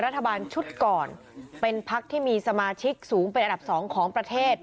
รัฐบาลชุดก่อนเป็นพักที่มีสมาชิกสูงเป็นอันดับ๒ของประเทศ